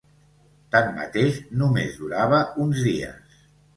Tanmateix, només durava uns dies.